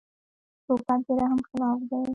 توپک د رحم خلاف دی.